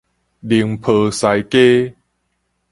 寧波西街